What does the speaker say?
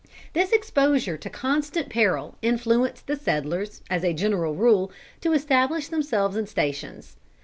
This exposure to constant peril influenced the settlers, as a general rule, to establish themselves in stations.